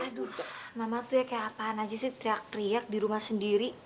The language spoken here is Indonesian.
aduh mama tuh ya kayak apaan aja sih teriak teriak di rumah sendiri